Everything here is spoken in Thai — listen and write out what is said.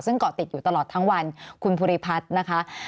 ซึ่งเกาะติดอยู่ตลอดทั้งวันคุณภูริพัฒน์นะคะ